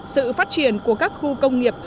sự phát triển của các khu công nghiệp